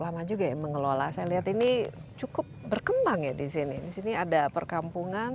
lama juga ya mengelola saya lihat ini cukup berkembang ya di sini di sini ada perkampungan